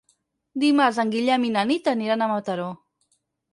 Dimarts en Guillem i na Nit aniran a Mataró.